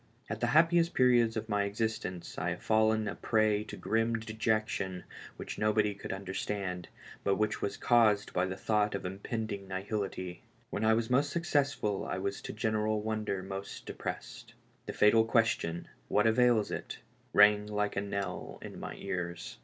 At the happiest periods of my existence I have fallen a prey to a grim dejection which nobody could understand, but which was caused by the thought of impending nihility. When I was most successful I was to general wonder most depressed. The fatal ques tion, " What avails it ?" rang like a knell in my ears.